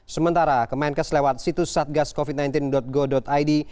sementara kemenkes lewat situs satgascovid sembilan belas go id